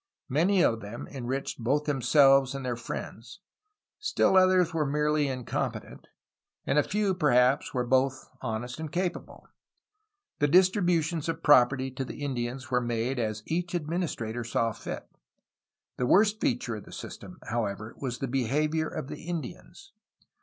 Many of them enriched both themselves and their friends; still others were merely incompetent; and a few, perhaps, were both honest and capable. The distributions of property to the Indians were made as each administrator saw fit. The worst feature of the system, however, was the behavior of the Indians.